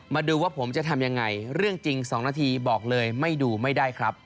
มาดูว่าผมจะทำยังไงเรื่องจริง๒นาทีบอกเลยไม่ดูไม่ได้ครับ